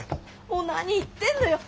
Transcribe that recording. もう何言ってんのよ。